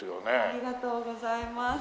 ありがとうございます。